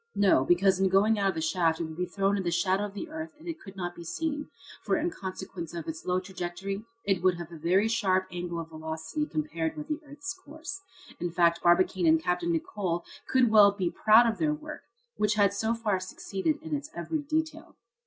No, because in going out of the shaft it would be thrown in the shadow of the earth and it could not be seen, for in consequence of its low trajectory it would have a very sharp angle of velocity compared with the earth's course. In fact, Barbicane and Capt. Nicholl could well be proud of their work, which had so far succeeded in its every detail.